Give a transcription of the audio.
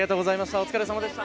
お疲れさまでした。